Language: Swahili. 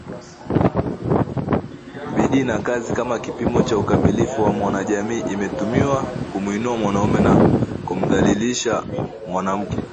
Bidii na kazi kama kipimo cha ukamilifu wa mwanajami imetumiwa kumwinua mwanamume na kumdhalilisha mwanamke